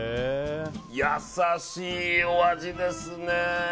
優しいお味ですね。